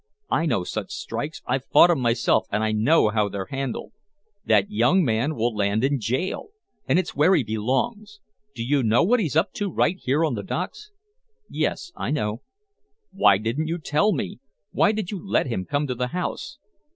I know such strikes I've fought 'em myself and I know how they're handled! That young man will land in jail! And it's where he belongs! Do you know what he's up to right here on the docks?" "Yes, I know " "Why didn't you tell me? Why did you let him come to the house?"